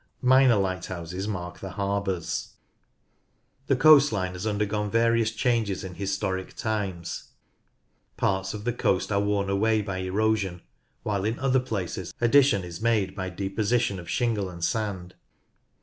Minor lighthouses mark the harbours. The coast line has undergone various changes in historic times. Parts of the coast are worn away by erosion, while in other places addition is made by de Blackpool: High Tide position of shingle and sand.